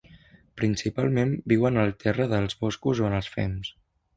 Principalment viu en el terra dels boscos o en els fems.